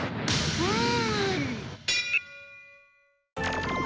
うん？